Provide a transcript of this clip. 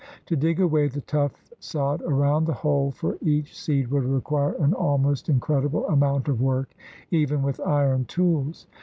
To dig away the tough sod around the hole for each seed would require an almost incredible amount of work even with iron tools.